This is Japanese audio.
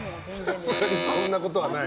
さすがにそんなことはない。